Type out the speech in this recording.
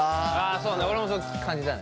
それは俺もそう感じたね。